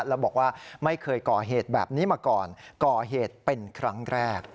แล้วบอกว่าไม่เคยก่อเหตุแบบนี้มาก่อนก่อเหตุเป็นครั้งแรก